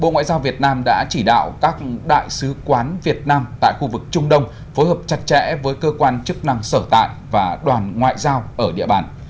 bộ ngoại giao việt nam đã chỉ đạo các đại sứ quán việt nam tại khu vực trung đông phối hợp chặt chẽ với cơ quan chức năng sở tại và đoàn ngoại giao ở địa bàn